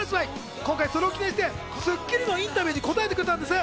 今回それを記念して『スッキリ』のインタビューに答えてくれたんです。